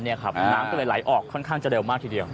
น้ำก็เลยไหลออกค่อนข้างจะเร็วมากทีเดียว